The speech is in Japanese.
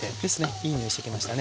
いい匂いしてきましたね。